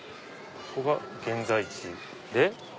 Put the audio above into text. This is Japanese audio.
ここが現在地で。